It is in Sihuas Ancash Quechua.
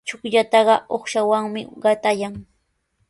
Chukllataqa uqshawanmi qatayan.